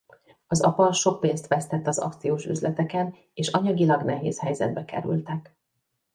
Az apa sok pénzt vesztett az akciós üzleteken és anyagilag nehéz helyzetbe kerültek.